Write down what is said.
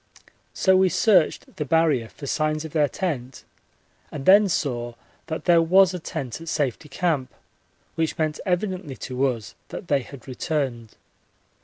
So we searched the Barrier for signs of their tent and then saw that there was a tent at Safety Camp, which meant evidently to us that they had returned.